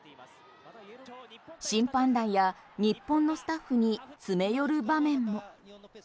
審判団や日本のスタッフに詰め寄る場面も。